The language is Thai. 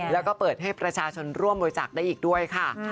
แล้วก็เปิดให้ประชาชนร่วมบริจาคได้อีกด้วยค่ะ